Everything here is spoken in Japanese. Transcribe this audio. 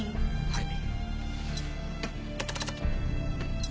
はい。